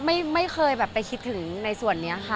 คือจริงคริสไม่เคยไปคิดถึงในส่วนนี้ค่ะ